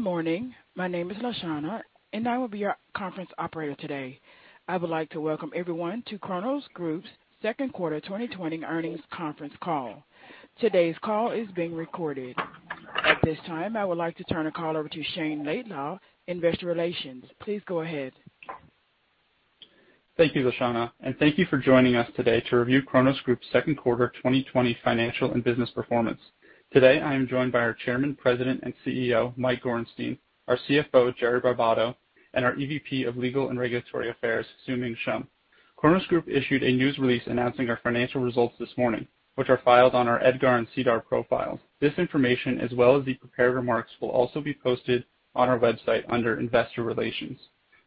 Good morning. My name is Lashana, and I will be your conference operator today. I would like to welcome everyone to Cronos Group's second quarter 2020 earnings conference call. Today's call is being recorded. At this time, I would like to turn the call over to Shayne Laidlaw, investor relations. Please go ahead. Thank you, Lashana, thank you for joining us today to review Cronos Group's second quarter 2020 financial and business performance. Today I am joined by our Chairman, President, and CEO, Mike Gorenstein; our CFO, Jerry Barbato, and our EVP of Legal and Regulatory Affairs, Xiuming Shum. Cronos Group issued a news release announcing our financial results this morning, which are filed on our EDGAR and SEDAR profiles. This information, as well as the prepared remarks, will also be posted on our website under Investor Relations.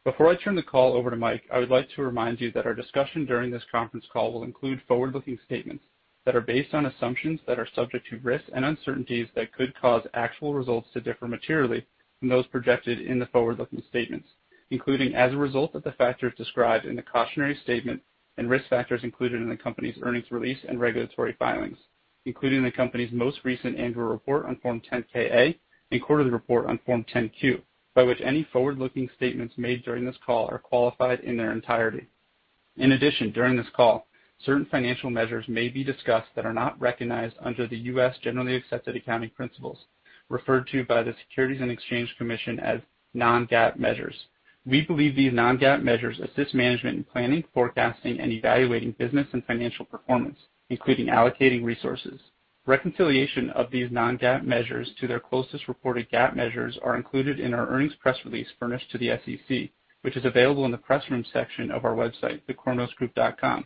Before I turn the call over to Mike, I would like to remind you that our discussion during this conference call will include forward-looking statements that are based on assumptions that are subject to risks and uncertainties that could cause actual results to differ materially from those projected in the forward-looking statements, including as a result of the factors described in the cautionary statement and risk factors included in the company's earnings release and regulatory filings, including the company's most recent annual report on Form 10-K/A and quarterly report on Form 10-Q, by which any forward-looking statements made during this call are qualified in their entirety. During this call, certain financial measures may be discussed that are not recognized under the U.S. generally accepted accounting principles, referred to by the Securities and Exchange Commission as non-GAAP measures. We believe these non-GAAP measures assist management in planning, forecasting, and evaluating business and financial performance, including allocating resources. Reconciliation of these non-GAAP measures to their closest reported GAAP measures are included in our earnings press release furnished to the SEC, which is available in the press room section of our website, thecronosgroup.com.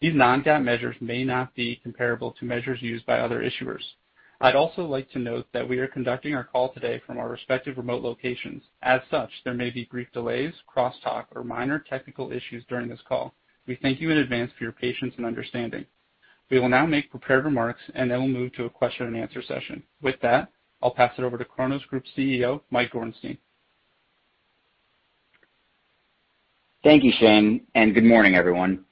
These non-GAAP measures may not be comparable to measures used by other issuers. I'd also like to note that we are conducting our call today from our respective remote locations. As such, there may be brief delays, crosstalk, or minor technical issues during this call. We thank you in advance for your patience and understanding. We will now make prepared remarks, and then we'll move to a question and answer session. With that, I'll pass it over to Cronos Group CEO, Mike Gorenstein. Thank you, Shayne, and good morning, everyone.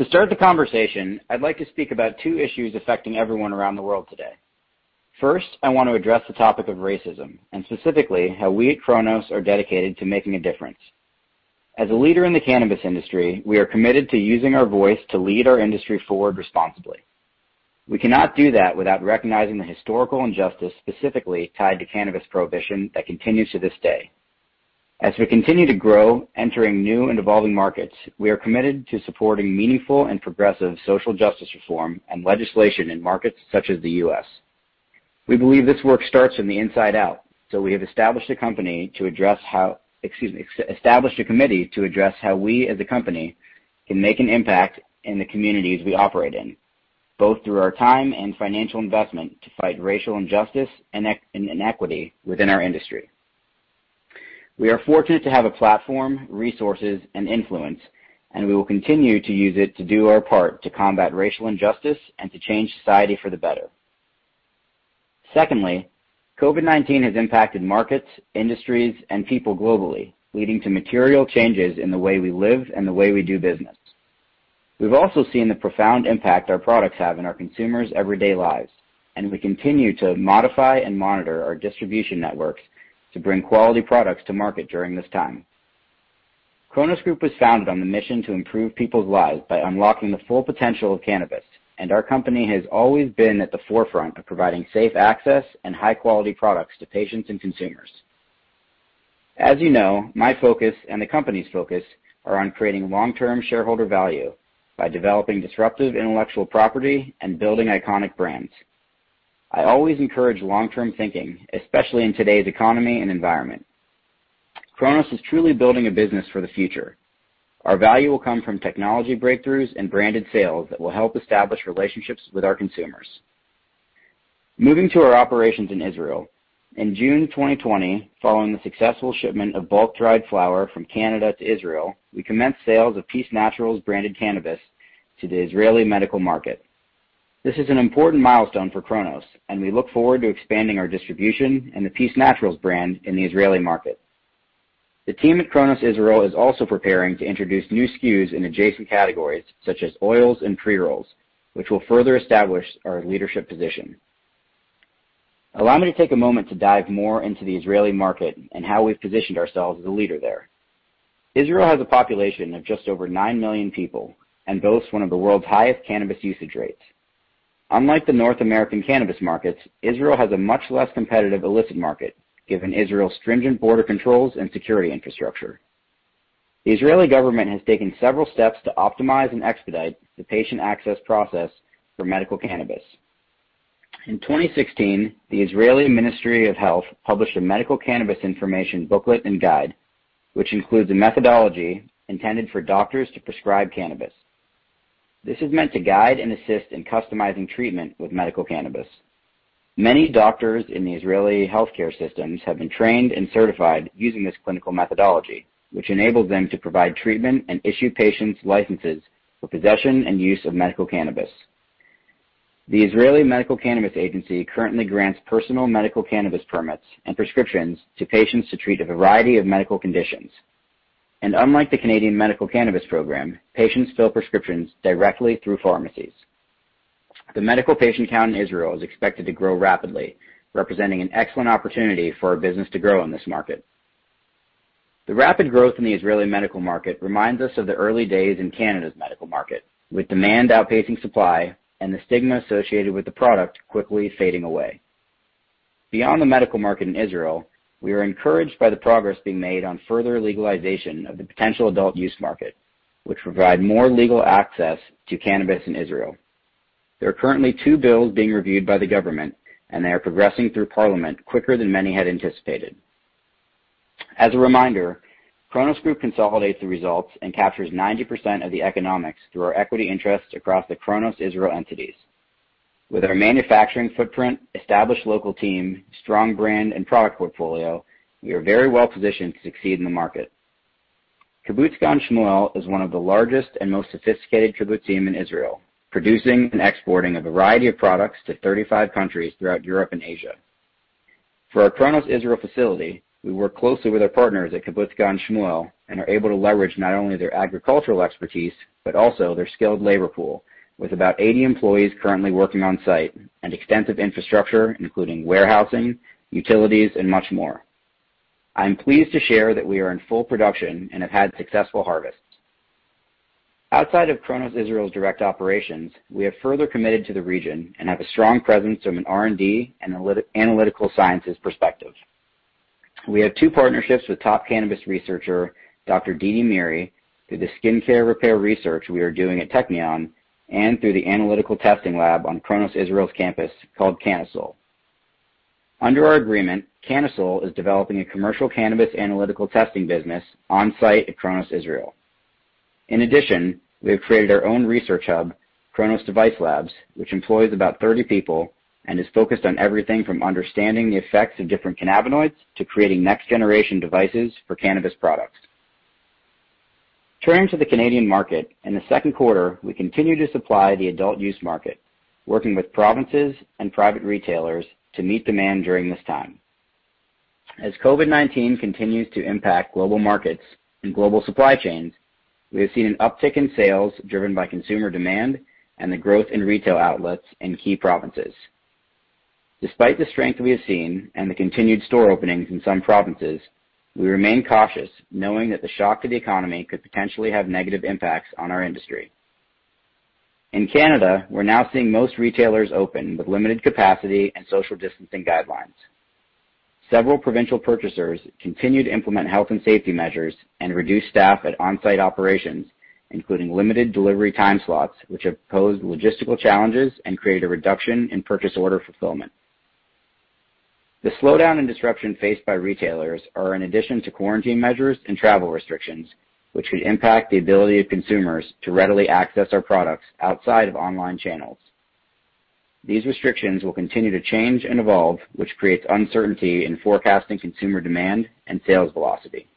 To start the conversation, I'd like to speak about two issues affecting everyone around the world today. First, I want to address the topic of racism, and specifically how we at Cronos are dedicated to making a difference. As a leader in the cannabis industry, we are committed to using our voice to lead our industry forward responsibly. We cannot do that without recognizing the historical injustice specifically tied to cannabis prohibition that continues to this day. As we continue to grow, entering new and evolving markets, we are committed to supporting meaningful and progressive social justice reform and legislation in markets such as the U.S. We believe this work starts from the inside out, so we have established a committee to address how we as a company can make an impact in the communities we operate in, both through our time and financial investment, to fight racial injustice and inequity within our industry. We are fortunate to have a platform, resources, and influence, and we will continue to use it to do our part to combat racial injustice and to change society for the better. Secondly, COVID-19 has impacted markets, industries, and people globally, leading to material changes in the way we live and the way we do business. We've also seen the profound impact our products have in our consumers' everyday lives, and we continue to modify and monitor our distribution networks to bring quality products to market during this time. Cronos Group was founded on the mission to improve people's lives by unlocking the full potential of cannabis, and our company has always been at the forefront of providing safe access and high-quality products to patients and consumers. As you know, my focus and the company's focus are on creating long-term shareholder value by developing disruptive intellectual property and building iconic brands. I always encourage long-term thinking, especially in today's economy and environment. Cronos is truly building a business for the future. Our value will come from technology breakthroughs and branded sales that will help establish relationships with our consumers. Moving to our operations in Israel. In June 2020, following the successful shipment of bulk-dried flower from Canada to Israel, we commenced sales of PEACE NATURALS branded cannabis to the Israeli medical market. This is an important milestone for Cronos, and we look forward to expanding our distribution and the PEACE NATURALS brand in the Israeli market. The team at Cronos Israel is also preparing to introduce new SKUs in adjacent categories, such as oils and pre-rolls, which will further establish our leadership position. Allow me to take a moment to dive more into the Israeli market and how we've positioned ourselves as a leader there. Israel has a population of just over 9 million people and boasts one of the world's highest cannabis usage rates. Unlike the North American cannabis markets, Israel has a much less competitive illicit market, given Israel's stringent border controls and security infrastructure. The Israeli government has taken several steps to optimize and expedite the patient access process for medical cannabis. In 2016, the Israeli Ministry of Health published a medical cannabis information booklet and guide, which includes a methodology intended for doctors to prescribe cannabis. This is meant to guide and assist in customizing treatment with medical cannabis. Many doctors in the Israeli healthcare system have been trained and certified using this clinical methodology, which enables them to provide treatment and issue patients licenses for possession and use of medical cannabis. Unlike the Canadian Medical Cannabis Program, patients fill prescriptions directly through pharmacies. The Israeli Medical Cannabis Agency currently grants personal medical cannabis permits and prescriptions to patients to treat a variety of medical conditions. The medical patient count in Israel is expected to grow rapidly, representing an excellent opportunity for our business to grow in this market. The rapid growth in the Israeli medical market reminds us of the early days in Canada's medical market, with demand outpacing supply and the stigma associated with the product quickly fading away. Beyond the medical market in Israel, we are encouraged by the progress being made on further legalization of the potential adult-use market, which provides more legal access to cannabis in Israel. There are currently two bills being reviewed by the government, and they are progressing through parliament quicker than many had anticipated. As a reminder, Cronos Group consolidates the results and captures 90% of the economics through our equity interests across the Cronos Israel entities. With our manufacturing footprint, established local team, strong brand, and product portfolio, we are very well-positioned to succeed in the market. Kibbutz Gan Shmuel is one of the largest and most sophisticated kibbutzim in Israel, producing and exporting a variety of products to 35 countries throughout Europe and Asia. For our Cronos Israel facility, we work closely with our partners at Kibbutz Gan Shmuel and are able to leverage not only their agricultural expertise but also their skilled labor pool, with about 80 employees currently working on-site and extensive infrastructure, including warehousing, utilities, and much more. I am pleased to share that we are in full production and have had successful harvests. Outside of Cronos Israel's direct operations, we have further committed to the region and have a strong presence from an R&D analytical sciences perspective. We have two partnerships with top cannabis researcher, Dr. Dedi Meiri, through the skincare repair research we are doing at Technion and through the analytical testing lab on Cronos Israel's campus called CannaSoul. Under our agreement, CannaSoul Analytics is developing a commercial cannabis analytical testing business on-site at Cronos Israel. We have created our own research hub, Cronos Device Labs, which employs about 30 people and is focused on everything from understanding the effects of different cannabinoids to creating next-generation devices for cannabis products. Turning to the Canadian market, in the second quarter, we continued to supply the adult-use market, working with provinces and private retailers to meet demand during this time. COVID-19 continues to impact global markets and global supply chains. We have seen an uptick in sales driven by consumer demand and the growth in retail outlets in key provinces. Despite the strength we have seen and the continued store openings in some provinces, we remain cautious, knowing that the shock to the economy could potentially have negative impacts on our industry. In Canada, we're now seeing most retailers open with limited capacity and social distancing guidelines. Several provincial purchasers continue to implement health and safety measures and reduce staff at on-site operations, including limited delivery time slots, which have posed logistical challenges and created a reduction in purchase order fulfillment. The slowdown and disruption faced by retailers are in addition to quarantine measures and travel restrictions, which could impact the ability of consumers to readily access our products outside of online channels. These restrictions will continue to change and evolve, which creates uncertainty in forecasting consumer demand and sales velocity.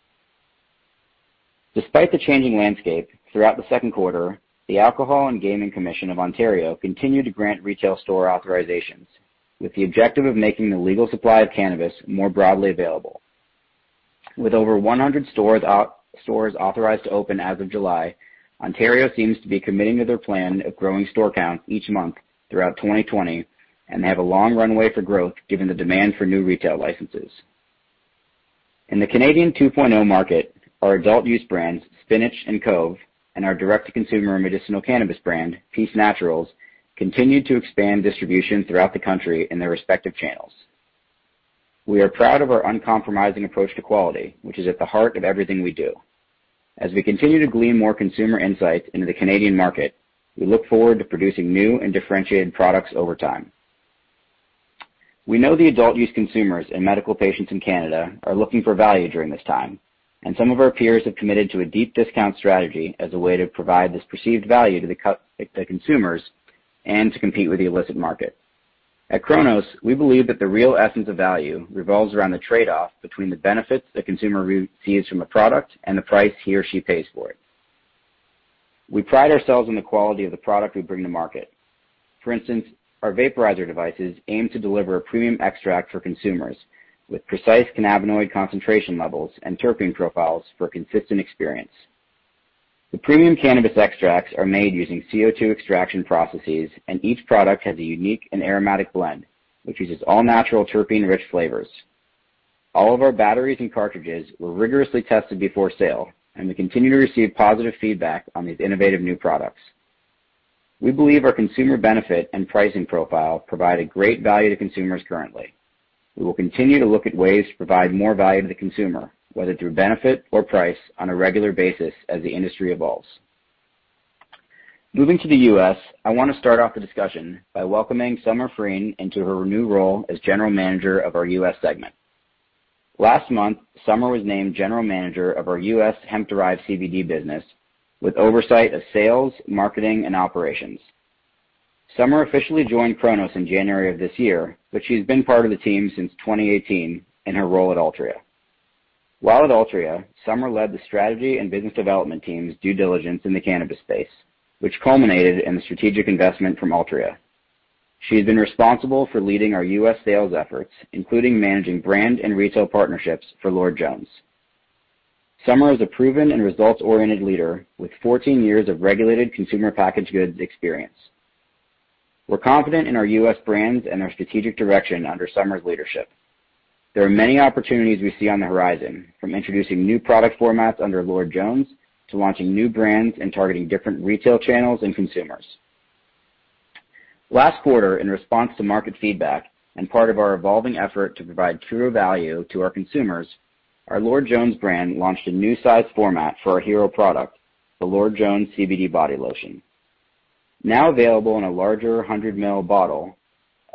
Despite the changing landscape, throughout the second quarter, the Alcohol and Gaming Commission of Ontario continued to grant retail store authorizations, with the objective of making the legal supply of cannabis more broadly available. With over 100 stores authorized to open as of July, Ontario seems to be committing to their plan of growing store count each month throughout 2020 and have a long runway for growth given the demand for new retail licenses. In the Cannabis 2.0 market, our adult-use brands Spinach and COVE, and our direct-to-consumer medicinal cannabis brand, PEACE NATURALS, continued to expand distribution throughout the country in their respective channels. We are proud of our uncompromising approach to quality, which is at the heart of everything we do. As we continue to glean more consumer insights into the Canadian market, we look forward to producing new and differentiated products over time. We know the adult use consumers and medical patients in Canada are looking for value during this time, and some of our peers have committed to a deep discount strategy as a way to provide this perceived value to consumers and to compete with the illicit market. At Cronos, we believe that the real essence of value revolves around the trade-off between the benefits the consumer receives from a product and the price he or she pays for it. We pride ourselves on the quality of the product we bring to market. For instance, our vaporizer devices aim to deliver a premium extract for consumers with precise cannabinoid concentration levels and terpene profiles for a consistent experience. The premium cannabis extracts are made using CO2 extraction processes, and each product has a unique and aromatic blend, which uses all-natural terpene-rich flavors. All of our batteries and cartridges were rigorously tested before sale, and we continue to receive positive feedback on these innovative new products. We believe our consumer benefit and pricing profile provide a great value to consumers currently. We will continue to look at ways to provide more value to the consumer, whether through benefit or price, on a regular basis as the industry evolves. Moving to the U.S., I want to start off the discussion by welcoming Summer Frein into her new role as General Manager of our U.S. segment. Last month, Summer was named General Manager of our U.S. hemp-derived CBD business with oversight of sales, marketing, and operations. Summer officially joined Cronos in January of this year, but she has been part of the team since 2018 in her role at Altria. While at Altria, Summer led the strategy and business development team's due diligence in the cannabis space, which culminated in the strategic investment from Altria. She has been responsible for leading our U.S. sales efforts, including managing brand and retail partnerships for Lord Jones. Summer is a proven and results-oriented leader with 14 years of regulated consumer packaged goods experience. We're confident in our U.S. brands and our strategic direction under Summer's leadership. There are many opportunities we see on the horizon, from introducing new product formats under Lord Jones to launching new brands and targeting different retail channels and consumers. Last quarter, in response to market feedback and part of our evolving effort to provide truer value to our consumers, our Lord Jones brand launched a new size format for our hero product, the Lord Jones CBD Body Lotion. Now available in a larger 100 mL bottle,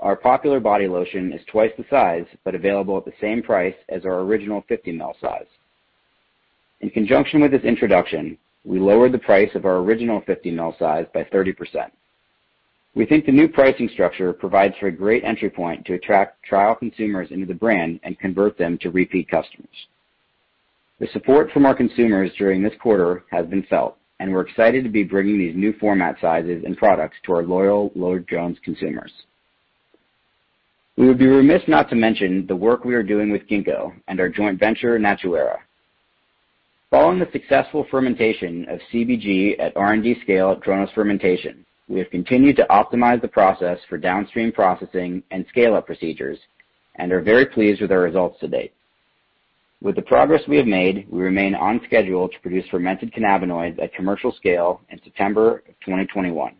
our popular body lotion is twice the size but available at the same price as our original 50 mL size. In conjunction with this introduction, we lowered the price of our original 50 mL size by 30%. We think the new pricing structure provides a great entry point to attract trial consumers into the brand and convert them to repeat customers. The support from our consumers during this quarter has been felt, and we're excited to be bringing these new format sizes and products to our loyal Lord Jones consumers. We would be remiss not to mention the work we are doing with Ginkgo and our joint venture, NatuEra. Following the successful fermentation of CBG at R&D scale at Cronos Fermentation, we have continued to optimize the process for downstream processing and scale-up procedures and are very pleased with our results to date. With the progress we have made, we remain on schedule to produce fermented cannabinoids at commercial scale in September of 2021.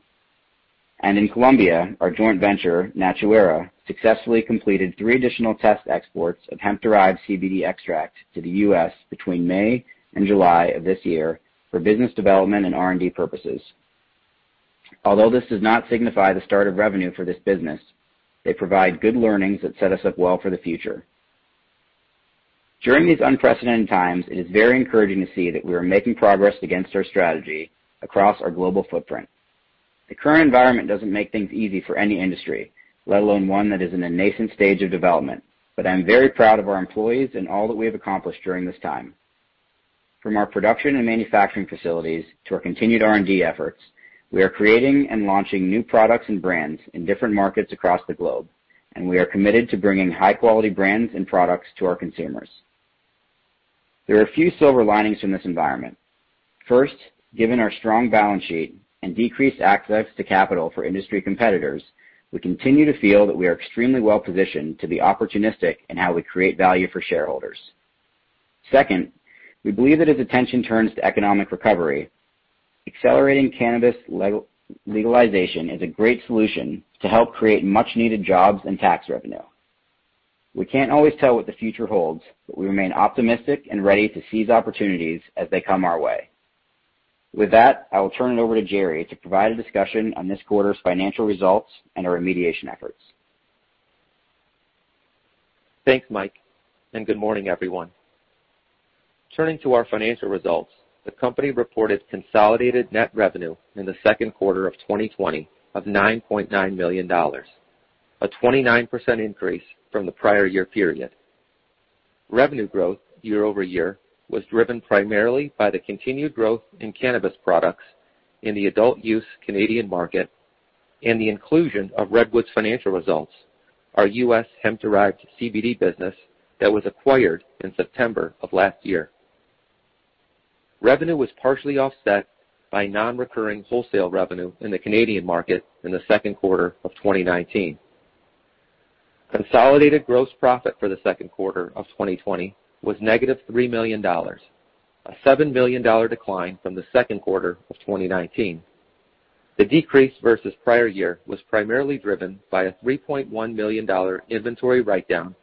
In Colombia, our joint venture, NatuEra, successfully completed three additional test exports of hemp-derived CBD extract to the U.S. between May and July of this year for business development and R&D purposes. Although this does not signify the start of revenue for this business, they provide good learnings that set us up well for the future. During these unprecedented times, it is very encouraging to see that we are making progress against our strategy across our global footprint. The current environment doesn't make things easy for any industry, let alone one that is in a nascent stage of development. I'm very proud of our employees and all that we have accomplished during this time. From our production and manufacturing facilities to our continued R&D efforts, we are creating and launching new products and brands in different markets across the globe, and we are committed to bringing high-quality brands and products to our consumers. There are a few silver linings from this environment. First, given our strong balance sheet and decreased access to capital for industry competitors, we continue to feel that we are extremely well-positioned to be opportunistic in how we create value for shareholders. Second, we believe that as attention turns to economic recovery, accelerating cannabis legalization is a great solution to help create much-needed jobs and tax revenue. We can't always tell what the future holds, but we remain optimistic and ready to seize opportunities as they come our way. With that, I will turn it over to Jerry to provide a discussion on this quarter's financial results and our remediation efforts. Thanks, Mike. Good morning, everyone. Turning to our financial results, the company reported consolidated net revenue in the second quarter of 2020 of 9.9 million dollars, a 29% increase from the prior year-over-year period. Revenue growth year-over-year was driven primarily by the continued growth in cannabis products in the adult-use Canadian market and the inclusion of Redwood's financial results, our U.S. hemp-derived CBD business that was acquired in September of last year. Revenue was partially offset by non-recurring wholesale revenue in the Canadian market in the second quarter of 2019. Consolidated gross profit for the second quarter of 2020 was negative 3 million dollars, a 7 million dollar decline from the second quarter of 2019. The decrease versus prior year was primarily driven by a 3.1 million dollar inventory write-down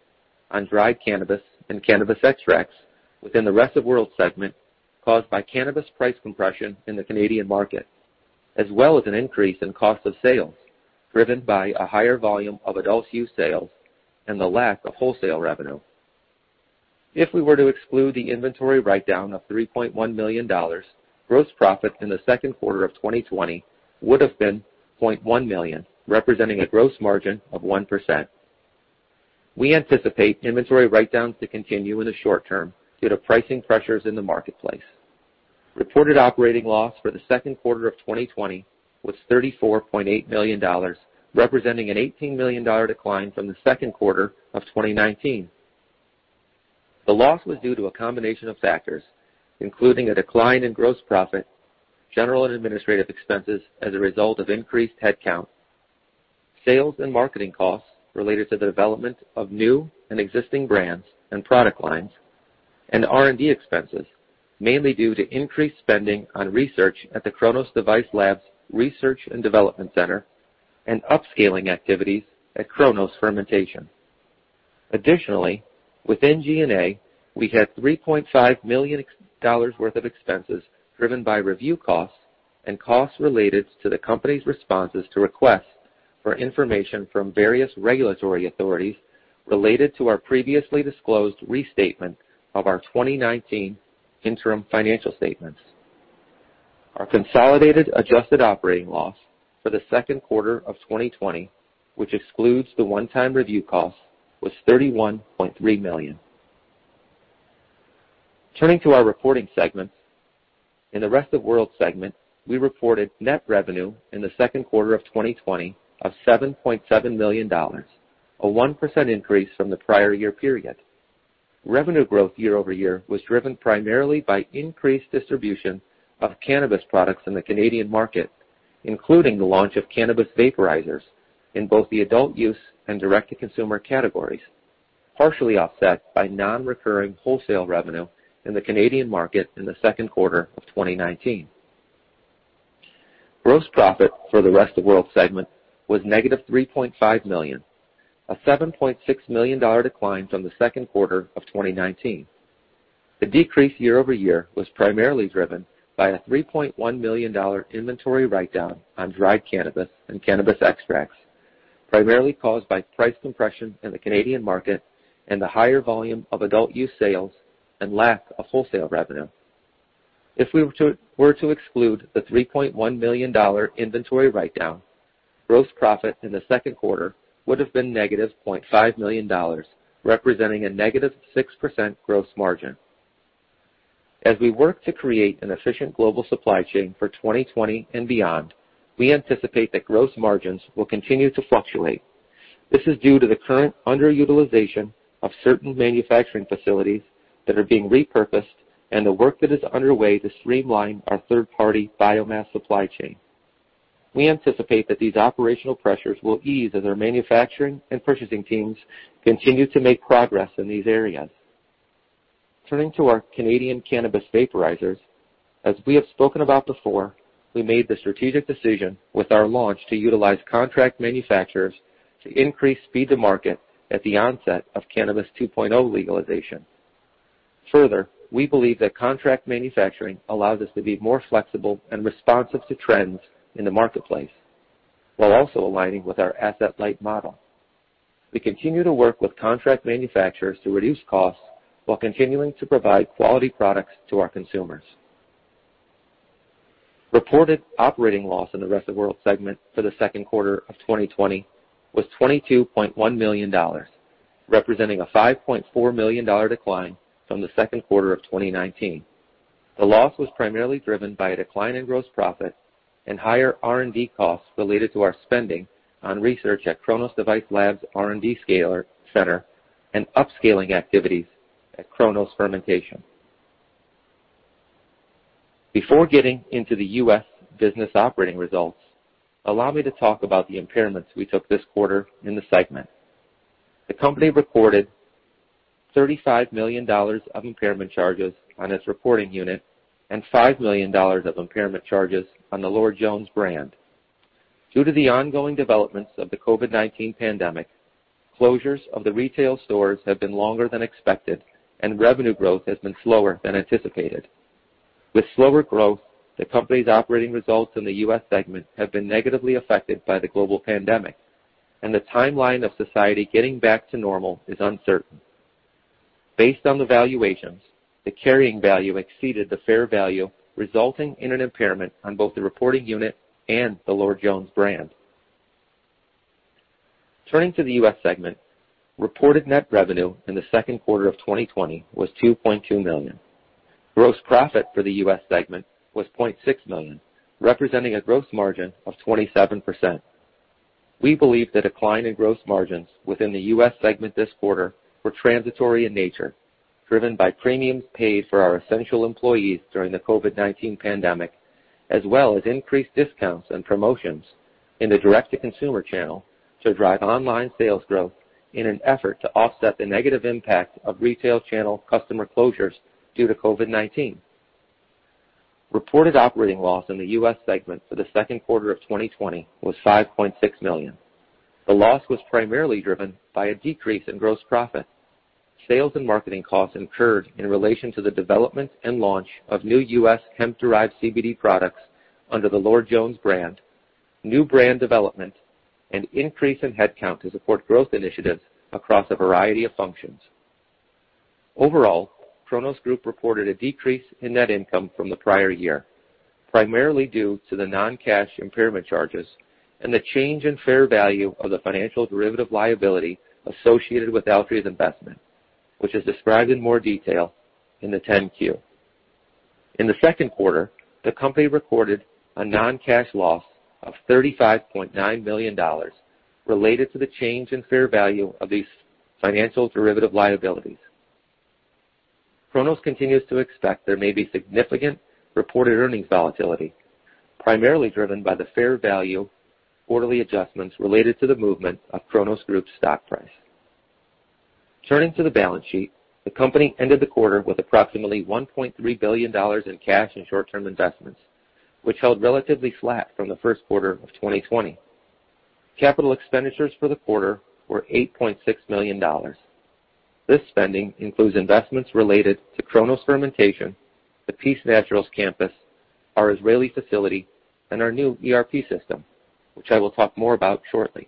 on dried cannabis and cannabis extracts within the Rest of World segment caused by cannabis price compression in the Canadian market, as well as an increase in cost of sales driven by a higher volume of adult-use sales and the lack of wholesale revenue. If we were to exclude the inventory write-down of 3.1 million dollars, gross profit in the second quarter of 2020 would have been 0.1 million, representing a gross margin of 1%. We anticipate inventory write-downs to continue in the short term due to pricing pressures in the marketplace. Reported operating loss for the second quarter of 2020 was 34.8 million dollars, representing a 18 million dollar decline from the second quarter of 2019. The loss was due to a combination of factors, including a decline in gross profit, general and administrative expenses as a result of increased headcount, sales and marketing costs related to the development of new and existing brands and product lines, and R&D expenses, mainly due to increased spending on research at the Cronos Device Labs Research and Development Center and upscaling activities at Cronos Fermentation. Additionally, within G&A, we had 3.5 million dollars worth of expenses driven by review costs and costs related to the company's responses to requests for information from various regulatory authorities related to our previously disclosed restatement of our 2019 interim financial statements. Our consolidated adjusted operating loss for the second quarter of 2020, which excludes the one-time review cost, was 31.3 million. Turning to our reporting segments. In the Rest of World segment, we reported net revenue in the second quarter of 2020 of 7.7 million dollars, a 1% increase from the prior year period. Revenue growth year-over-year was driven primarily by increased distribution of cannabis products in the Canadian market, including the launch of cannabis vaporizers in both the adult use and direct-to-consumer categories, partially offset by non-recurring wholesale revenue in the Canadian market in the second quarter of 2019. Gross profit for the Rest of World segment was negative 3.5 million, a 7.6 million dollar decline from the second quarter of 2019. The decrease year-over-year was primarily driven by a 3.1 million dollar inventory write-down on dried cannabis and cannabis extracts, primarily caused by price compression in the Canadian market and the higher volume of adult-use sales and lack of wholesale revenue. If we were to exclude the 3.1 million dollar inventory write-down, gross profit in the second quarter would have been negative 0.5 million dollars, representing a negative 6% gross margin. As we work to create an efficient global supply chain for 2020 and beyond, we anticipate that gross margins will continue to fluctuate. This is due to the current underutilization of certain manufacturing facilities that are being repurposed and the work that is underway to streamline our third-party biomass supply chain. We anticipate that these operational pressures will ease as our manufacturing and purchasing teams continue to make progress in these areas. Turning to our Canadian cannabis vaporizers, as we have spoken about before, we made the strategic decision with our launch to utilize contract manufacturers to increase speed to market at the onset of Cannabis 2.0 legalization. Further, we believe that contract manufacturing allows us to be more flexible and responsive to trends in the marketplace while also aligning with our asset-light model. We continue to work with contract manufacturers to reduce costs while continuing to provide quality products to our consumers. Reported operating loss in the Rest of World segment for the second quarter of 2020 was 22.1 million dollars, representing a 5.4 million dollar decline from the second quarter of 2019. The loss was primarily driven by a decline in gross profit and higher R&D costs related to our spending on research at Cronos Device Labs R&D scale-up center and upscaling activities at Cronos Fermentation. Before getting into the U.S. business operating results, allow me to talk about the impairments we took this quarter in the segment. The company reported 35 million dollars of impairment charges on its reporting unit and 5 million dollars of impairment charges on the Lord Jones brand. Due to the ongoing developments of the COVID-19 pandemic, closures of the retail stores have been longer than expected, and revenue growth has been slower than anticipated. With slower growth, the company's operating results in the U.S. segment have been negatively affected by the global pandemic, and the timeline of society getting back to normal is uncertain. Based on the valuations, the carrying value exceeded the fair value, resulting in an impairment on both the reporting unit and the Lord Jones brand. Turning to the U.S. segment, reported net revenue in the second quarter of 2020 was 2.2 million. Gross profit for the U.S. segment was 0.6 million, representing a gross margin of 27%. We believe the decline in gross margins within the U.S. segment this quarter were transitory in nature, driven by premiums paid for our essential employees during the COVID-19 pandemic, as well as increased discounts and promotions in the direct-to-consumer channel to drive online sales growth in an effort to offset the negative impact of retail channel customer closures due to COVID-19. Reported operating loss in the U.S. segment for the second quarter of 2020 was 5.6 million. The loss was primarily driven by a decrease in gross profit, sales and marketing costs incurred in relation to the development and launch of new U.S. hemp-derived CBD products under the Lord Jones brand, new brand development, and increase in headcount to support growth initiatives across a variety of functions. Overall, Cronos Group reported a decrease in net income from the prior year, primarily due to the non-cash impairment charges and the change in fair value of the financial derivative liability associated with Altria's investment, which is described in more detail in the 10-Q. In the second quarter, the company recorded a non-cash loss of 35.9 million dollars related to the change in fair value of these financial derivative liabilities. Cronos continues to expect there may be significant reported earnings volatility, primarily driven by the fair value quarterly adjustments related to the movement of Cronos Group's stock price. Turning to the balance sheet, the company ended the quarter with approximately 1.3 billion dollars in cash and short-term investments, which held relatively flat from the first quarter of 2020. Capital expenditures for the quarter were 8.6 million dollars. This spending includes investments related to Cronos Fermentation, the PEACE NATURALS campus, our Israeli facility, and our new ERP system, which I will talk more about shortly.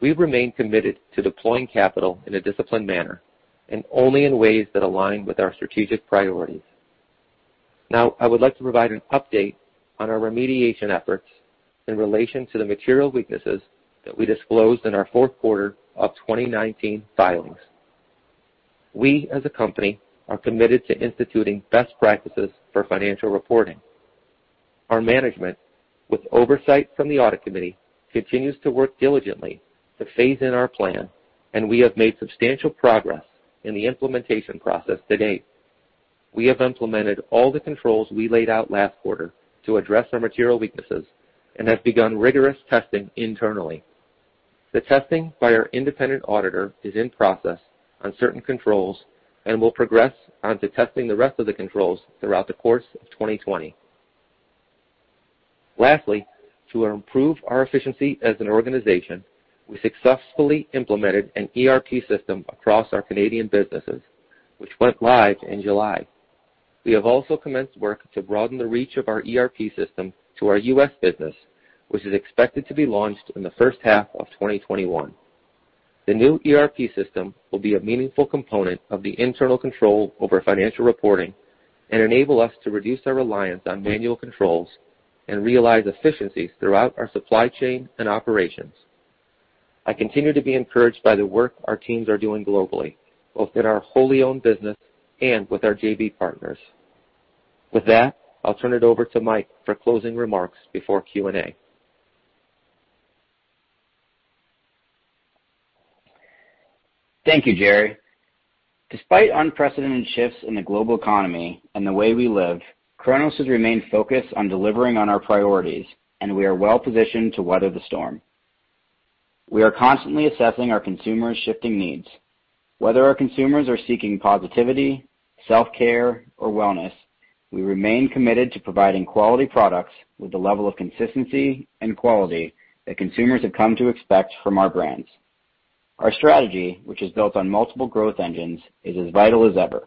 We remain committed to deploying capital in a disciplined manner and only in ways that align with our strategic priorities. I would like to provide an update on our remediation efforts in relation to the material weaknesses that we disclosed in our fourth quarter of 2019 filings. We as a company, are committed to instituting best practices for financial reporting. Our management, with oversight from the audit committee, continues to work diligently to phase in our plan, and we have made substantial progress in the implementation process to date. We have implemented all the controls we laid out last quarter to address our material weaknesses and have begun rigorous testing internally. The testing by our independent auditor is in process on certain controls and will progress onto testing the rest of the controls throughout the course of 2020. Lastly, to improve our efficiency as an organization, we successfully implemented an ERP system across our Canadian businesses, which went live in July. We have also commenced work to broaden the reach of our ERP system to our U.S. business, which is expected to be launched in the first half of 2021. The new ERP system will be a meaningful component of the internal control over financial reporting and enable us to reduce our reliance on manual controls and realize efficiencies throughout our supply chain and operations. I continue to be encouraged by the work our teams are doing globally, both in our wholly owned business and with our JV partners. With that, I'll turn it over to Mike for closing remarks before Q&A. Thank you, Jerry. Despite unprecedented shifts in the global economy and the way we live, Cronos has remained focused on delivering on our priorities, and we are well-positioned to weather the storm. We are constantly assessing our consumers' shifting needs. Whether our consumers are seeking positivity, self-care, or wellness, we remain committed to providing quality products with the level of consistency and quality that consumers have come to expect from our brands. Our strategy, which is built on multiple growth engines, is as vital as ever.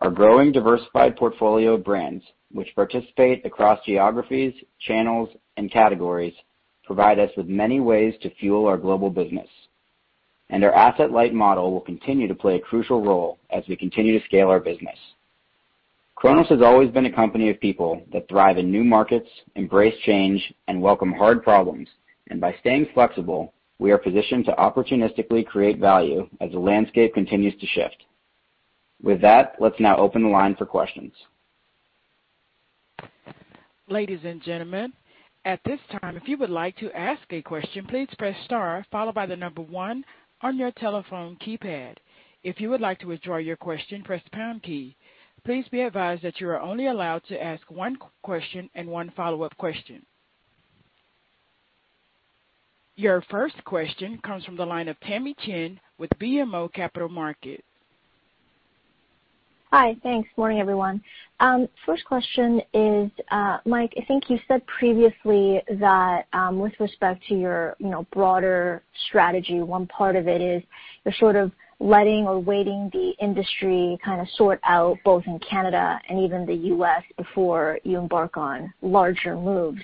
Our growing diversified portfolio of brands, which participate across geographies, channels, and categories, provides us with many ways to fuel our global business. Our asset-light model will continue to play a crucial role as we continue to scale our business. Cronos has always been a company of people that thrive in new markets, embrace change, and welcome hard problems, and by staying flexible, we are positioned to opportunistically create value as the landscape continues to shift. With that, let's now open the line for questions. Ladies and gentlemen, at this time, if you would like to ask a question, please press star followed by the number one on your telephone keypad. If you would like to withdraw your question, press the pound key. Please be advised that you are only allowed to ask one question and one follow-up question. Your first question comes from the line of Tamy Chen with BMO Capital Markets. Hi. Thanks. Morning, everyone. First question is, Mike, I think you said previously that, with respect to your broader strategy, one part of it is you're sort of letting or waiting the industry kind of sort out, both in Canada and even the U.S., before you embark on larger moves.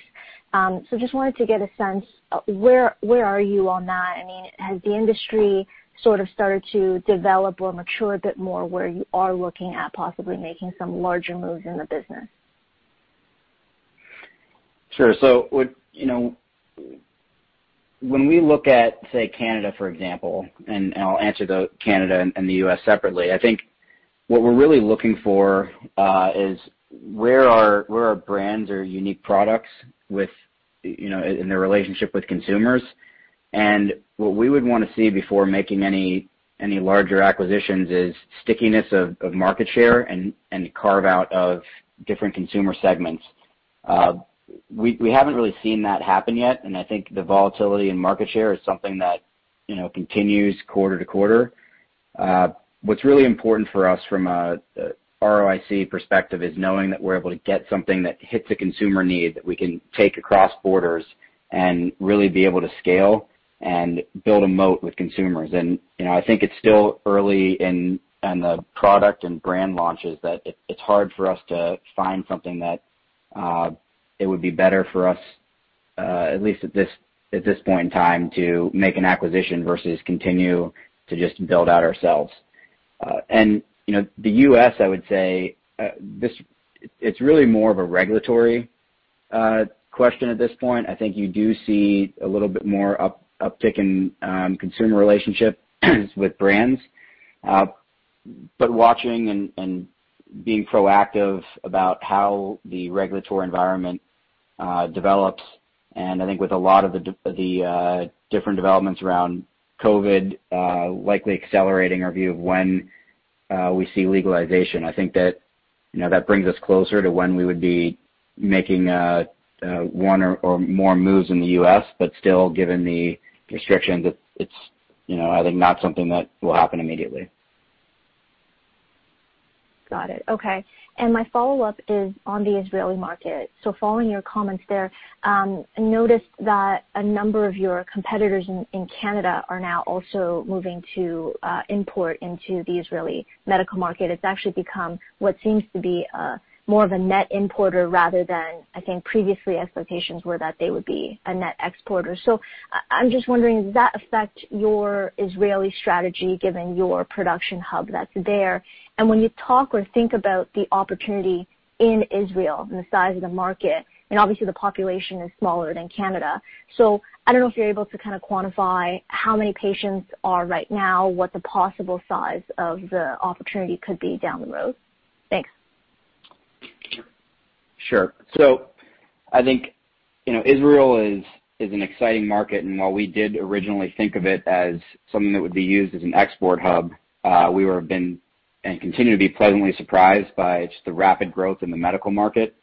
Just wanted to get a sense, where are you on that? Has the industry sort of started to develop or mature a bit more, where you are looking at possibly making some larger moves in the business? Sure. When we look at, say, Canada, for example, and I'll answer Canada and the U.S. separately, I think what we're really looking for is where our brands or unique products in their relationship with consumers. What we would want to see before making any larger acquisitions is stickiness of market share and carve-out of different consumer segments. We haven't really seen that happen yet, and I think the volatility in market share is something that continues quarter to quarter. What's really important for us from a ROIC perspective is knowing that we're able to get something that hits a consumer need that we can take across borders and really be able to scale and build a moat with consumers. I think it's still early in the product and brand launches that it's hard for us to find something that it would be better for us, at least at this point in time, to make an acquisition versus continue to just build out ourselves. The U.S., I would say, it's really more of a regulatory question at this point. I think you do see a little bit more uptick in consumer relationships with brands. Watching and being proactive about how the regulatory environment develops, and I think with a lot of the different developments around COVID likely accelerating our view of when we see legalization. That brings us closer to when we would be making one or more moves in the U.S., but still, given the restrictions, it's I think not something that will happen immediately. Got it. Okay. My follow-up is on the Israeli market. Following your comments there, I noticed that a number of your competitors in Canada are now also moving to import into the Israeli medical market. It's actually become what seems to be more of a net importer rather than, I think, previously expectations were that they would be a net exporter. I'm just wondering, does that affect your Israeli strategy, given your production hub that's there? When you talk or think about the opportunity in Israel and the size of the market, and obviously, the population is smaller than Canada. I don't know if you're able to kind of quantify how many patients are right now, what the possible size of the opportunity could be down the road. Thanks. Sure. I think Israel is an exciting market, and while we did originally think of it as something that would be used as an export hub, we have been, and continue to be pleasantly surprised by just the rapid growth in the medical market.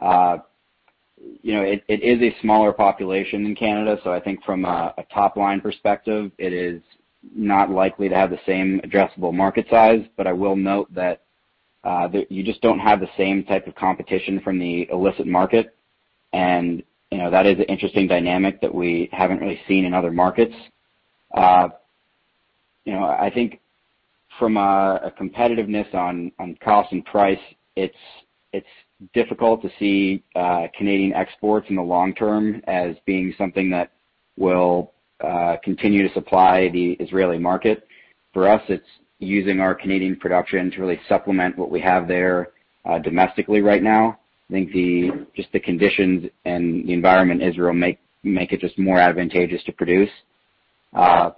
It is a smaller population than Canada. I think from a top-line perspective, it is not likely to have the same addressable market size. I will note that you just don’t have the same type of competition from the illicit market, and that is an interesting dynamic that we haven’t really seen in other markets. I think from a competitiveness on cost and price, it’s difficult to see Canadian exports in the long term as being something that will continue to supply the Israeli market. For us, it’s using our Canadian production to really supplement what we have there domestically right now. I think just the conditions and the environment in Israel make it just more advantageous to produce. I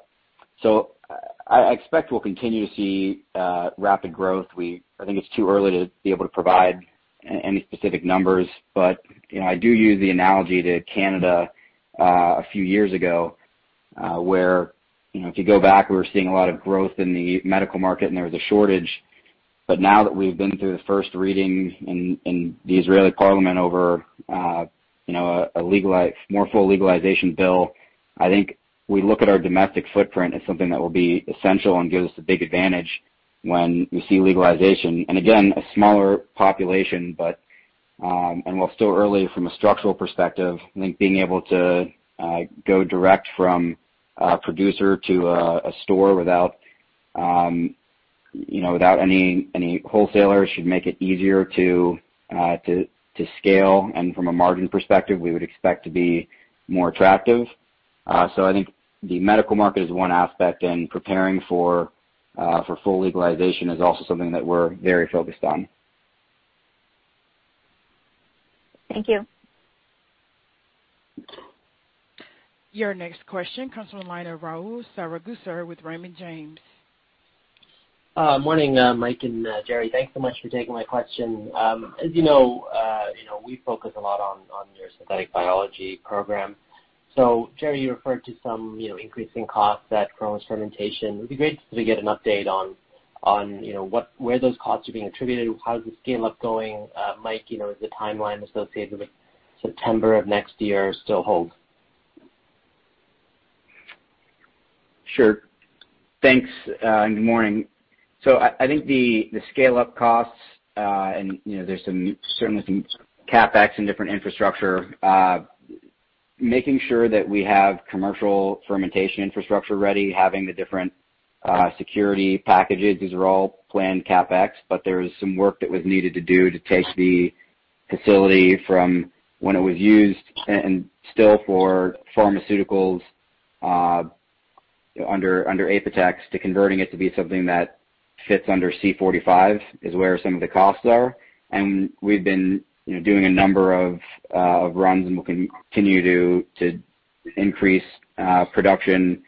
expect we’ll continue to see rapid growth. I think it’s too early to be able to provide any specific numbers, but I do use the analogy to Canada a few years ago, where, if you go back, we were seeing a lot of growth in the medical market, and there was a shortage. Now that we’ve been through the first reading in the Israeli parliament over a more full legalization bill, I think we look at our domestic footprint as something that will be essential and give us a big advantage when we see legalization. Again, a smaller population, and while still early from a structural perspective, I think being able to go direct from a producer to a store without any wholesalers should make it easier to scale, and from a margin perspective, we would expect to be more attractive. I think the medical market is one aspect, and preparing for full legalization is also something that we’re very focused on. Thank you. Your next question comes from the line of Rahul Sarugaser with Raymond James. Morning, Mike and Jerry. Thanks so much for taking my question. As you know, we focus a lot on your synthetic biology program. Jerry, you referred to some increasing costs at Cronos Fermentation. It would be great to get an update on where those costs are being attributed. How is the scale-up going? Mike, does the timeline associated with September of next year still hold? Sure. Thanks, good morning. I think the scale-up costs, and there’s certainly some CapEx in different infrastructure. Making sure that we have commercial fermentation infrastructure ready, having the different security packages, these are all planned CapEx, but there was some work that needed to do to take the facility from when it was used, and still for pharmaceuticals under Apotex, to converting it to be something that fits under C-45 is where some of the costs are. We’ve been doing a number of runs, and we’ll continue to increase production.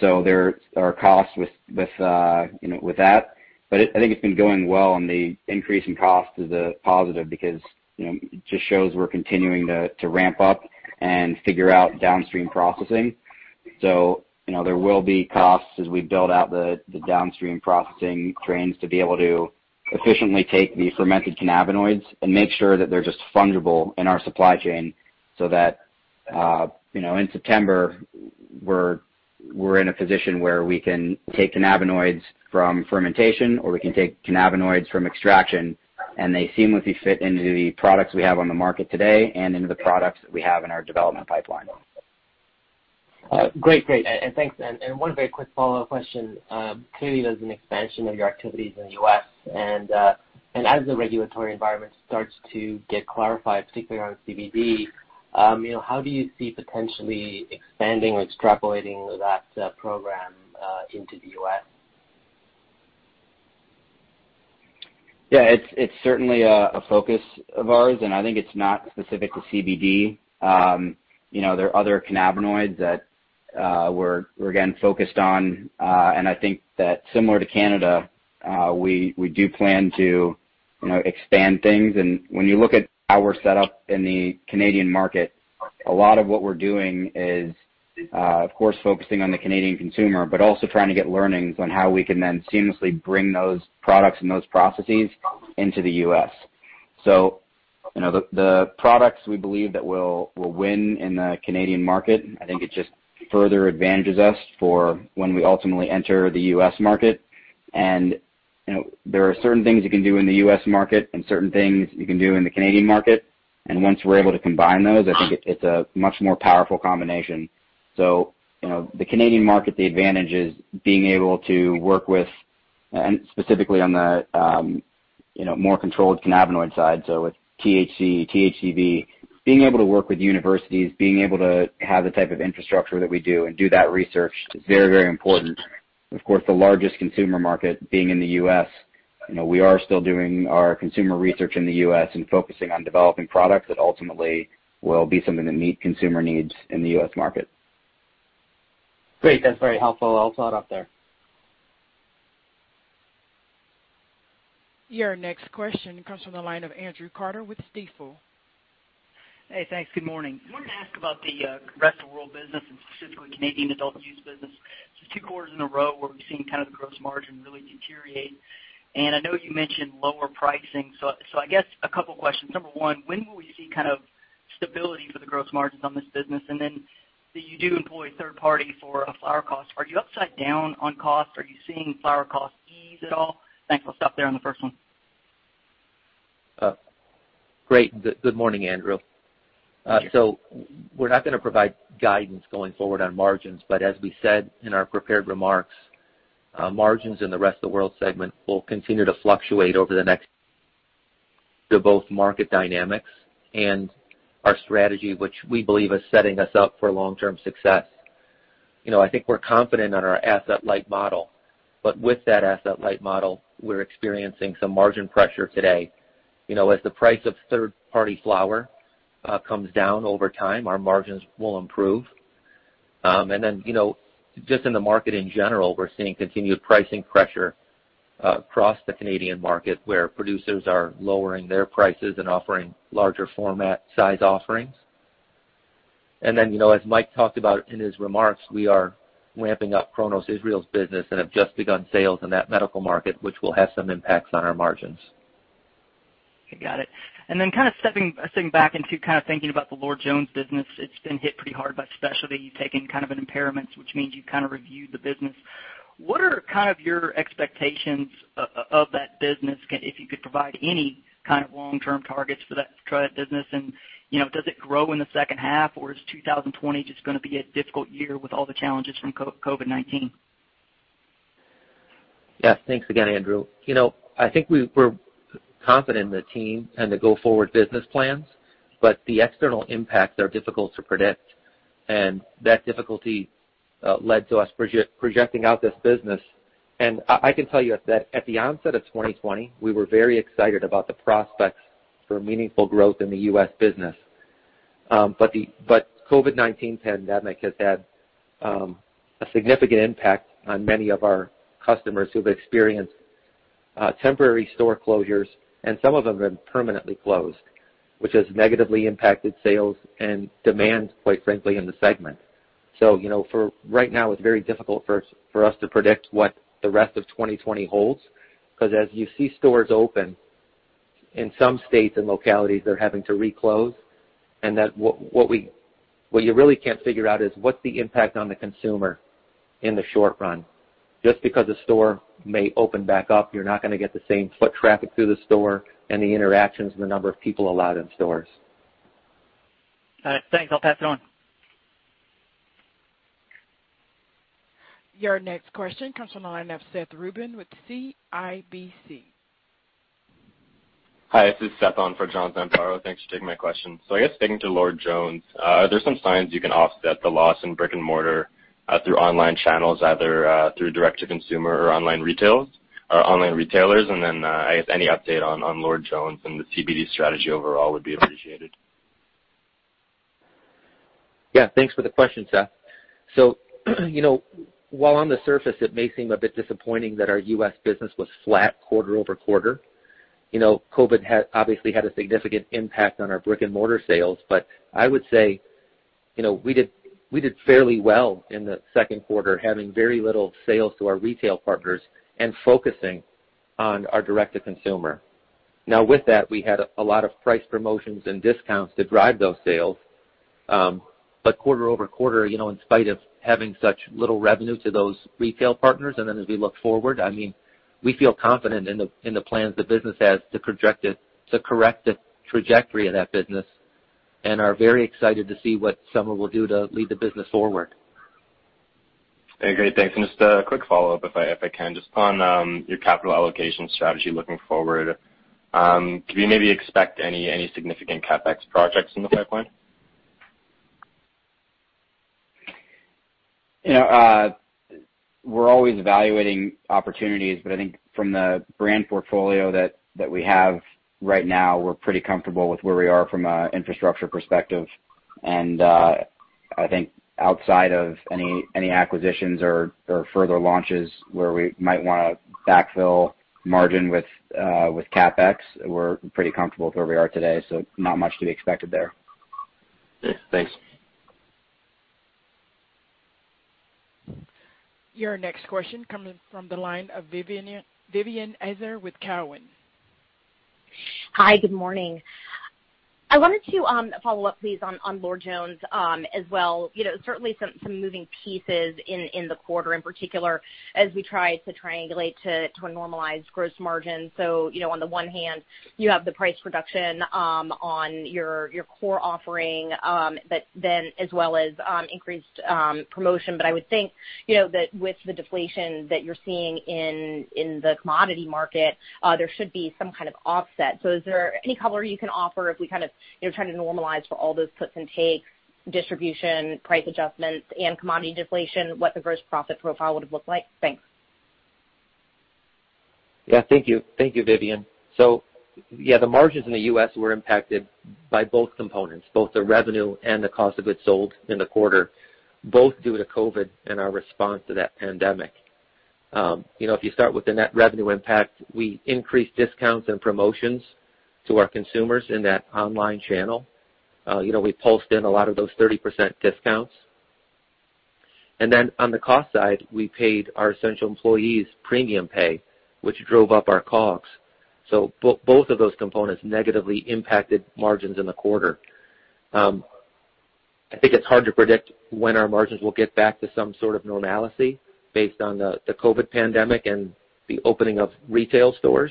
There are costs with that. I think it’s been going well on the increase in cost is a positive because it just shows we’re continuing to ramp up and figure out downstream processing. There will be costs as we build out the downstream processing trains to be able to efficiently take the fermented cannabinoids and make sure that they’re just fungible in our supply chain, so that in September, we’re in a position where we can take cannabinoids from fermentation, or we can take cannabinoids from extraction, and they seamlessly fit into the products we have on the market today and into the products that we have in our development pipeline. Great, and thanks. One very quick follow-up question. Clearly, there’s an expansion of your activities in the U.S., and as the regulatory environment starts to get clarified, particularly around CBD, how do you see potentially expanding or extrapolating that program into the U.S.? It’s certainly a focus of ours. I think it’s not specific to CBD. There are other cannabinoids that we’re again focused on. I think that, similar to Canada, we do plan to expand things. When you look at how we’re set up in the Canadian market, a lot of what we’re doing is, of course, focusing on the Canadian consumer, but also trying to get learnings on how we can then seamlessly bring those products and those processes into the U.S. The products we believe will win in the Canadian market, I think it just further advantages us for when we ultimately enter the U.S. market. There are certain things you can do in the U.S. market and certain things you can do in the Canadian market, and once we’re able to combine those, I think it’s a much more powerful combination. The Canadian market, the advantage is being able to work with, and specifically on the more controlled cannabinoid side, with THC, THCV, being able to work with universities, being able to have the type of infrastructure that we do and do that research is very important. Of course, the largest consumer market being in the U.S., we are still doing our consumer research in the U.S. and focusing on developing products that ultimately will be something that meet consumer needs in the U.S. market. Great. That’s very helpful. I’ll follow it up there. Your next question comes from the line of Andrew Carter with Stifel. Hey, thanks. Good morning. I wanted to ask about the Rest of World business, and specifically Canadian adult-use business. This is two quarters in a row where we've seen the gross margin really deteriorate. I know you mentioned lower pricing. I guess a couple questions. Number one, when will we see stability for the gross margins on this business? You do employ third-party for flower cost. Are you upside down on cost? Are you seeing flower cost ease at all? Thanks. I'll stop there on the first one. Great. Good morning, Andrew. Sure. We're not going to provide guidance going forward on margins, but as we said in our prepared remarks, margins in the Rest of World segment will continue to fluctuate over the next to both market dynamics and our strategy, which we believe is setting us up for long-term success. I think we're confident on our asset-light model. with that asset-light model, we're experiencing some margin pressure today. As the price of third-party flower comes down over time, our margins will improve. Just in the market in general, we're seeing continued pricing pressure across the Canadian market, where producers are lowering their prices and offering larger format size offerings. as Mike talked about in his remarks, we are ramping up Cronos Israel's business and have just begun sales in that medical market, which will have some impacts on our margins. Okay, got it. Stepping back into thinking about the Lord Jones business. It's been hit pretty hard by specialty. You've taken an impairment, which means you've reviewed the business. What are your expectations of that business, if you could provide any kind of long-term targets for that business? Does it grow in the second half, or is 2020 just going to be a difficult year with all the challenges from COVID-19? Thanks again, Andrew. I think we're confident in the team and the go-forward business plans; the external impacts are difficult to predict. That difficulty led to us projecting out this business. I can tell you that at the onset of 2020, we were very excited about the prospects for meaningful growth in the U.S. business. COVID-19 pandemic has had a significant impact on many of our customers who've experienced temporary store closures, and some of them have been permanently closed, which has negatively impacted sales and demand, quite frankly, in the segment. For right now, it's very difficult for us to predict what the rest of 2020 holds, because as you see stores open in some states and localities, they're having to re-close. That what you really can't figure out is what's the impact on the consumer in the short run. Just because a store may open back up, you're not going to get the same foot traffic through the store and the interactions and the number of people allowed in stores. All right. Thanks. I'll pass it on. Your next question comes from the line of Seth Rubin with CIBC. Hi, this is Seth on for John Zamparo. Thanks for taking my question. I guess speaking to Lord Jones, are there some signs you can offset the loss in brick and mortar through online channels, either through direct-to-consumer or online retailers? I guess any update on Lord Jones and the CBD strategy overall would be appreciated. Yeah. Thanks for the question, Seth. While on the surface it may seem a bit disappointing that our U.S. business was flat quarter-over-quarter, COVID obviously had a significant impact on our brick-and-mortar sales. I would say we did fairly well in the second quarter, having very little sales to our retail partners and focusing on our direct to consumer. Now, with that, we had a lot of price promotions and discounts to drive those sales. Quarter-over-quarter, in spite of having such little revenue to those retail partners, as we look forward, we feel confident in the plans the business has to correct the trajectory of that business and are very excited to see what Summer will do to lead the business forward. Okay, great. Thanks. Just a quick follow-up, if I can. Just on your capital allocation strategy, looking forward, can we maybe expect any significant CapEx projects in the pipeline? We're always evaluating opportunities, but I think from the brand portfolio that we have right now, we're pretty comfortable with where we are from an infrastructure perspective. I think outside of any acquisitions or further launches where we might want to backfill margin with CapEx, we're pretty comfortable with where we are today. Not much to be expected there. Thanks. Your next question coming from the line of Vivien Azer with Cowen. Hi. Good morning. I wanted to follow up, please, on Lord Jones as well. Certainly some moving pieces in the quarter, in particular as we try to triangulate to a normalized gross margin. On the one hand, you have the price reduction on your core offering, but then as well as increased promotion. I would think that with the deflation that you're seeing in the commodity market, there should be some kind of offset. Is there any color you can offer if we try to normalize for all those puts and takes, distribution, price adjustments, and commodity deflation, what the gross profit profile would have looked like? Thanks. Thank you, Vivien. Yeah, the margins in the U.S. were impacted by both components, both the revenue and the cost of goods sold in the quarter, both due to COVID and our response to that pandemic. If you start with the net revenue impact, we increased discounts and promotions to our consumers in that online channel. We pulsed in a lot of those 30% discounts. On the cost side, we paid our essential employees premium pay, which drove up our COGS. Both of those components negatively impacted margins in the quarter. I think it's hard to predict when our margins will get back to some sort of normality based on the COVID pandemic and the opening of retail stores.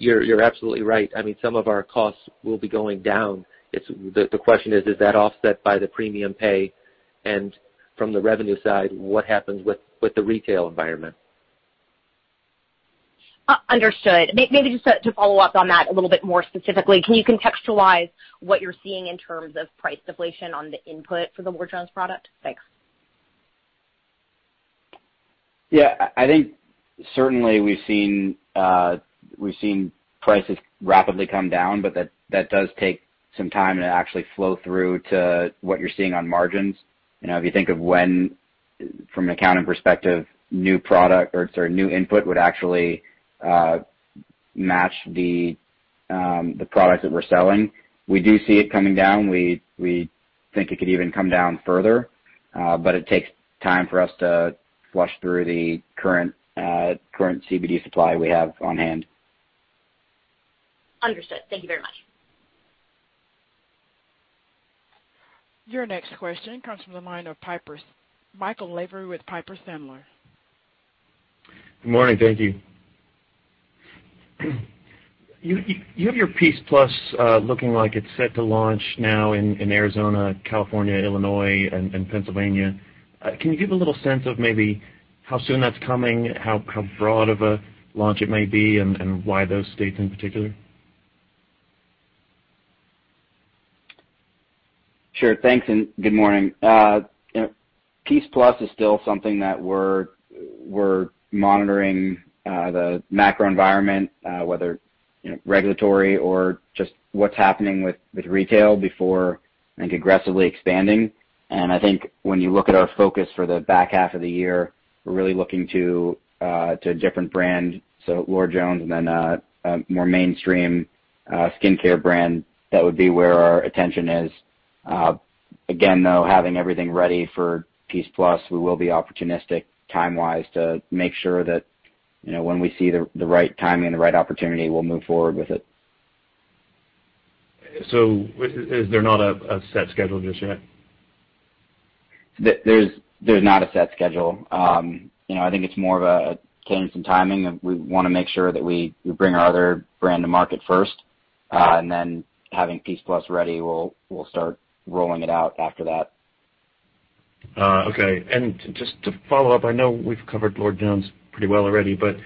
You're absolutely right. Some of our costs will be going down. The question is that offset by the premium pay? From the revenue side, what happens with the retail environment? Understood. Maybe just to follow up on that a little bit more specifically, can you contextualize what you're seeing in terms of price deflation on the input for the Lord Jones product? Thanks. Yeah, I think certainly we've seen prices rapidly come down. That does take some time to actually flow through to what you're seeing on margins. If you think of when, from an accounting perspective, new input would actually match the product that we're selling. We do see it coming down. We think it could even come down further. It takes time for us to flush through the current CBD supply we have on hand. Understood. Thank you very much. Your next question comes from the line of Michael Lavery with Piper Sandler. Good morning. Thank you. You have your PEACE+ looking like it's set to launch now in Arizona, California, Illinois, and Pennsylvania. Can you give a little sense of maybe how soon that's coming, how broad of a launch it may be, and why those states in particular? Sure. Thanks, and good morning. PEACE+ is still something that we're monitoring the macro environment, whether regulatory or just what's happening with retail before aggressively expanding. I think when you look at our focus for the back half of the year, we're really looking to a different brand, so Lord Jones and then a more mainstream skincare brand. That would be where our attention is. Again, though, having everything ready for PEACE+, we will be opportunistic time-wise to make sure that when we see the right timing and the right opportunity, we'll move forward with it. Is there not a set schedule just yet? There's not a set schedule. I think it's more of a change in timing of we want to make sure that we bring our other brand to market first, and then having PEACE+ ready, we'll start rolling it out after that. Okay. Just to follow up, I know we've covered Lord Jones pretty well already, but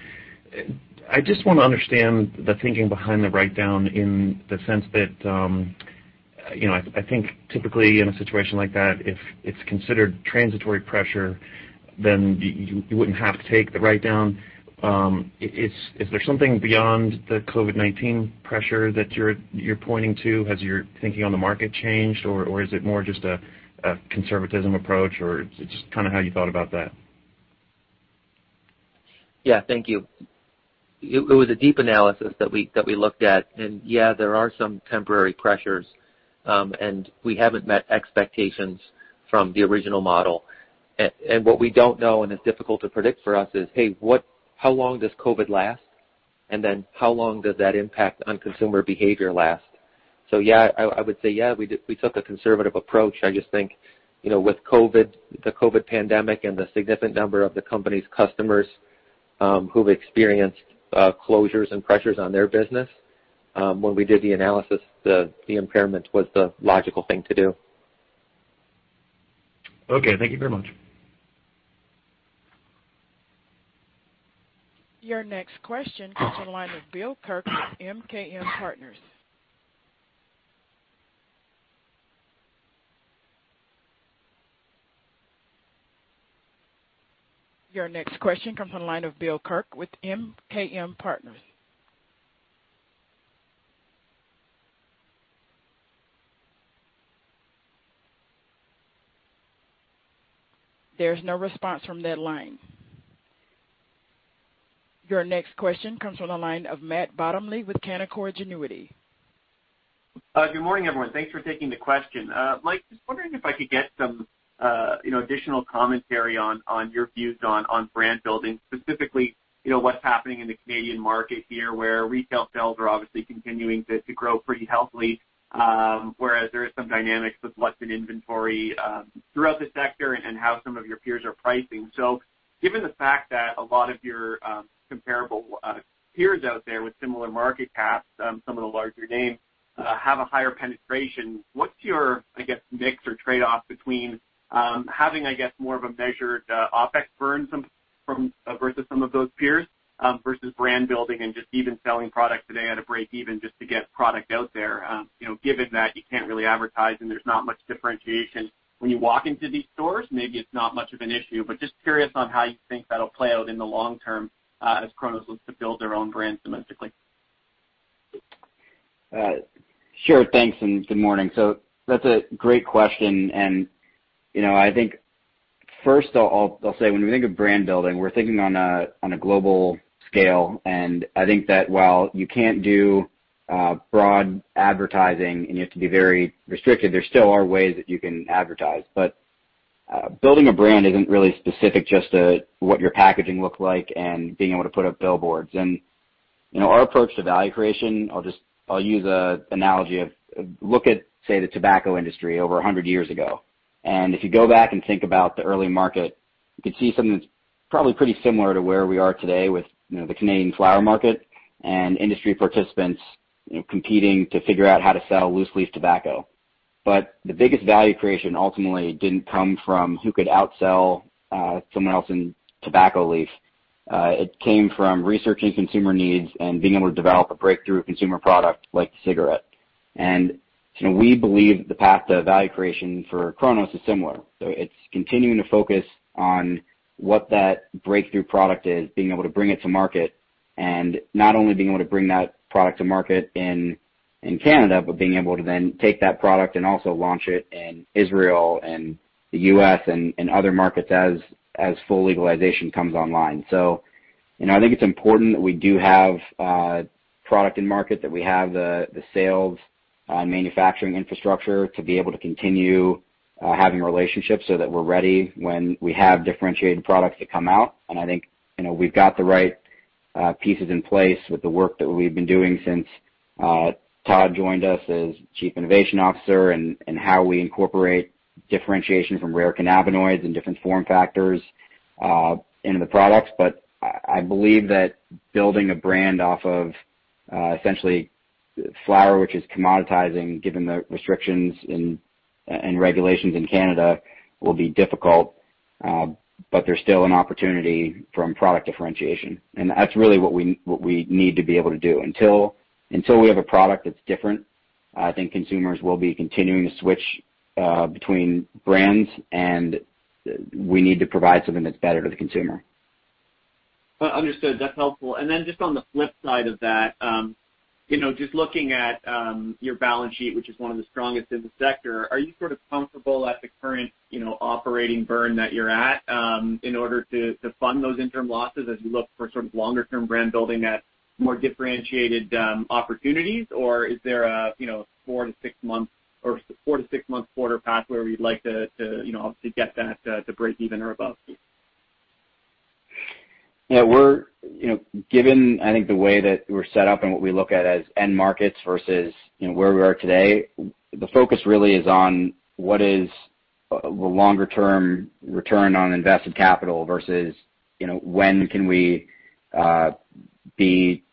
I just want to understand the thinking behind the write-down in the sense that, I think typically in a situation like that, if it's considered transitory pressure, then you wouldn't have to take the write-down. Is there something beyond the COVID-19 pressure that you're pointing to? Has your thinking on the market changed, or is it more just a conservative approach, or just how you thought about that? Thank you. It was a deep analysis that we looked at. There are some temporary pressures, and we haven't met expectations from the original model. What we don't know, and it's difficult to predict for us is, hey, how long does COVID last? How long does that impact on consumer behavior last? I would say we took a conservative approach. I just think, with the COVID pandemic and the significant number of the company's customers who've experienced closures and pressures on their business, when we did the analysis, the impairment was the logical thing to do. Okay. Thank you very much. Your next question comes from the line of Bill Kirk with MKM Partners. There's no response from that line. Your next question comes from the line of Matt Bottomley with Canaccord Genuity. Good morning, everyone. Thanks for taking the question. Mike, just wondering if I could get some additional commentary on your views on brand building, specifically, what's happening in the Canadian market here, where retail sales are obviously continuing to grow pretty healthily, whereas there is some dynamics with what's in inventory throughout the sector and how some of your peers are pricing. Given the fact that a lot of your comparable peers out there with similar market caps, some of the larger names, have a higher penetration, what's your, I guess, mix or trade-off between having, I guess, more of a measured OpEx burn versus some of those peers, versus brand building and just even selling product today at a break even just to get product out there? Given that you can't really advertise and there's not much differentiation when you walk into these stores, maybe it's not much of an issue, but just curious on how you think that'll play out in the long term as Cronos looks to build their own brand domestically. Sure. Thanks, good morning. That's a great question. I think first I'll say, when we think of brand building, we're thinking on a global scale. I think that while you can't do broad advertising, you have to be very restricted, there still are ways that you can advertise. Building a brand isn't really specific just to what your packaging looks like and being able to put up billboards. Our approach to value creation, I'll use an analogy of, look at, say, the tobacco industry over 100 years ago. If you go back and think about the early market, you can see something that's probably pretty similar to where we are today with the Canadian flower market and industry participants competing to figure out how to sell loose-leaf tobacco. The biggest value creation ultimately didn't come from who could outsell someone else in tobacco leaf. It came from researching consumer needs and being able to develop a breakthrough consumer product like the cigarette. We believe the path to value creation for Cronos is similar. It's continuing to focus on what that breakthrough product is, being able to bring it to market, and not only being able to bring that product to market in Canada, but being able to then take that product and also launch it in Israel and the U.S. and other markets as full legalization comes online. I think it's important that we do have product in market, that we have the sales and manufacturing infrastructure to be able to continue having relationships so that we're ready when we have differentiated products that come out. I think we've got the right pieces in place with the work that we've been doing since Todd joined us as Chief Innovation Officer, and how we incorporate differentiation from rare cannabinoids and different form factors into the products. I believe that building a brand off of essentially flower, which is commoditizing, given the restrictions and regulations in Canada, will be difficult. There's still an opportunity from product differentiation, and that's really what we need to be able to do. Until we have a product that's different, I think consumers will continue to switch between brands, and we need to provide something that's better to the consumer. Understood. That's helpful. Just on the flip side of that, just looking at your balance sheet, which is one of the strongest in the sector, are you sort of comfortable at the current operating burn that you're at in order to fund those interim losses as you look for sort of longer-term brand-building at more differentiated opportunities? Is there a four- to six-month quarter path where we'd like to obviously get that to break even or above? Yeah. Given, I think, the way that we're set up and what we look at as end markets versus where we are today, the focus really is on what is the longer-term return on invested capital versus when can we be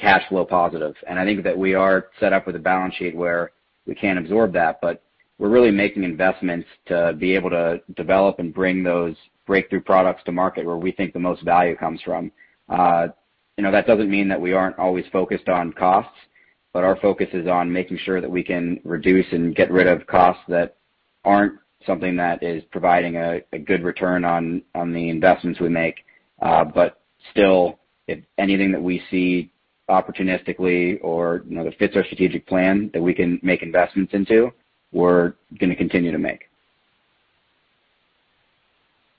cash flow positive. I think that we are set up with a balance sheet where we can absorb that. We're really making investments to be able to develop and bring those breakthrough products to market where we think the most value comes from. That doesn't mean that we aren't always focused on costs, but our focus is on making sure that we can reduce and get rid of costs that aren't something that is providing a good return on the investments we make. Still, anything that we see opportunistically or that fits our strategic plan that we can make investments into, we're going to continue to make.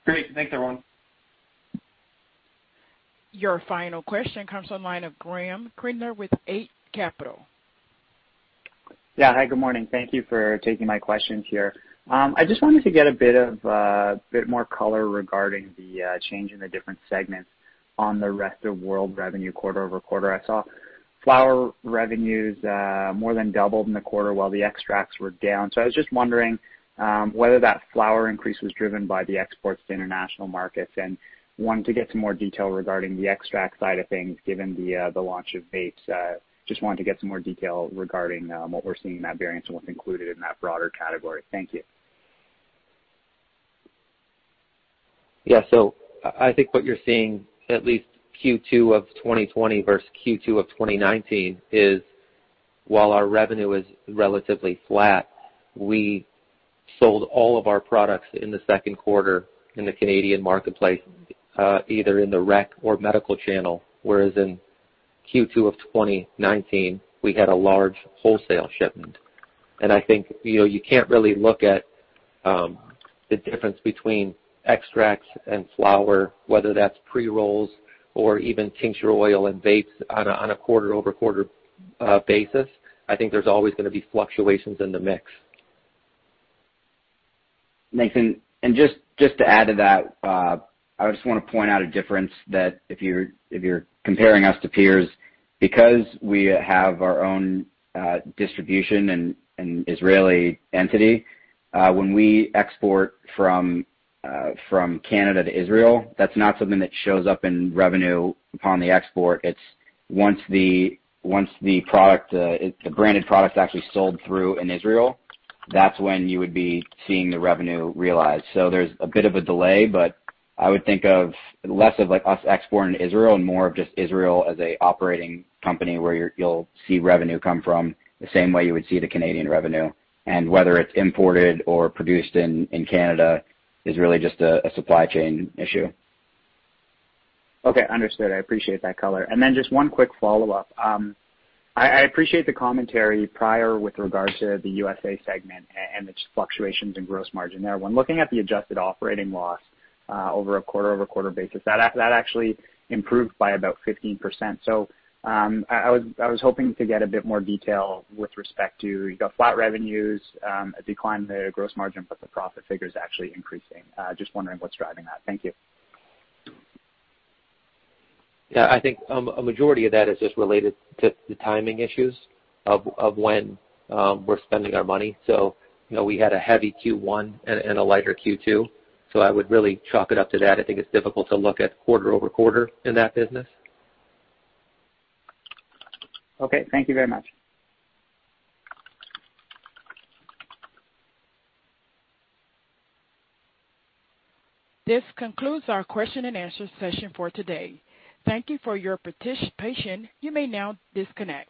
Great. Thanks, everyone. Your final question comes on line of Graeme Kreindler with Eight Capital. Yeah. Hi, good morning. Thank you for taking my questions here. I just wanted to get a bit more color regarding the change in the different segments on the Rest of World revenue quarter-over-quarter. I saw flower revenues more than doubled in the quarter while the extracts were down. I was just wondering whether that flower increase was driven by the exports to international markets, and wanted to get some more detail regarding the extract side of things, given the launch of vapes. Just wanted to get some more detail regarding what we're seeing in that variance and what's included in that broader category. Thank you. I think what you're seeing, at least Q2 of 2020 versus Q2 of 2019, is while our revenue is relatively flat, we sold all of our products in the second quarter in the Canadian marketplace, either in the rec or medical channel, whereas in Q2 of 2019, we had a large wholesale shipment. I think you can't really look at the difference between extracts and flower, whether that's pre-rolls or even tincture oil and vapes on a quarter-over-quarter basis. Nathan, just to add to that, I just want to point out a difference, if you're comparing us to peers. Because we have our own distribution and Israeli entity, when we export from Canada to Israel, that's not something that shows up in revenue upon the export..It's once the branded product is actually sold through in Israel, that's when you would be seeing the revenue realized. There's a bit of a delay, but I would think of less of us exporting to Israel and more of just Israel as an operating company where you'll see revenue come from the same way you would see the Canadian revenue. Whether it's imported or produced in Canada is really just a supply chain issue. Okay, understood. I appreciate that color. Just one quick follow-up. I appreciate the commentary prior with regards to the USA segment and its fluctuations in gross margin there. When looking at the adjusted operating loss over a quarter-over-quarter basis, that actually improved by about 15%. I was hoping to get a bit more detail with respect to, you got flat revenues, a decline in the gross margin, but the profit figure is actually increasing. Just wondering what's driving that. Thank you. Yeah, I think a majority of that is just related to the timing issues of when we're spending our money. We had a heavy Q1 and a lighter Q2, so I would really chalk it up to that. I think it's difficult to look at quarter-over-quarter in that business. Okay. Thank you very much. This concludes our question-and-answer session for today. Thank you for your participation. You may now disconnect.